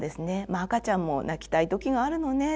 「まあ赤ちゃんも泣きたい時があるのね。